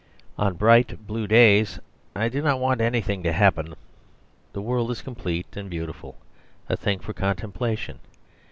On bright blue days I do not want anything to happen; the world is complete and beautiful, a thing for contemplation.